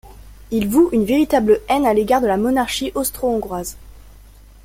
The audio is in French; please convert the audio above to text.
Il voue une véritable haine à l'égard de la Monarchie austro-hongroise.